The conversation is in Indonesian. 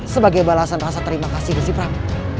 sebagai balasan rasa terima kasihku si prap